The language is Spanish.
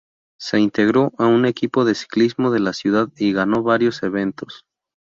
Se integró a un equipo de ciclismo de la ciudad y ganó varios eventos.